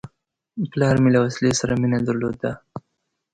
پلار مې له وسلې سره مینه درلوده.